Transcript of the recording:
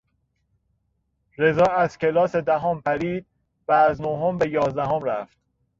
رضا از کلاس دهم پرید و از نهم به یازدهم رفت.